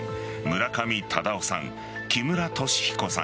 村上忠雄さん、木村敏彦さん